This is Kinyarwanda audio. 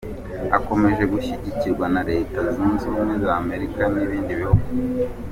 Akomeje gushyigikirwa na Leta Zunze Ubumwe z'Amerika n'ibindi bihugu.